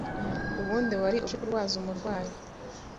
nundi wari uje kurwaza umurwayi